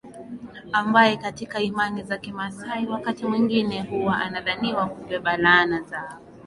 ambae katika imani za kimaasai wakati mwingine huwa anadhaniwa kubeba laana zao